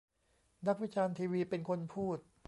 นักวิจารณ์ทีวี เป็นคนพูด